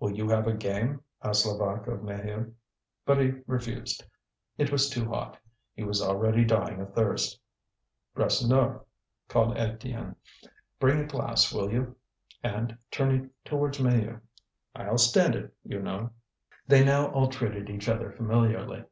"Will you have a game?" asked Levaque of Maheu. But he refused: it was too hot, he was already dying of thirst. "Rasseneur," called Étienne, "bring a glass, will you?" And turning towards Maheu: "I'll stand it, you know." They now all treated each other familiarly.